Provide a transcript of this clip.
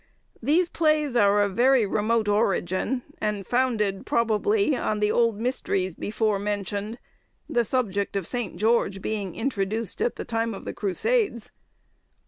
These plays are of very remote origin, and founded probably on the old mysteries before mentioned, the subject of St. George being introduced at the time of the crusades.